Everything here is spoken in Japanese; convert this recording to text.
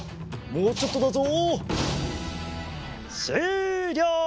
もうちょっとだぞ。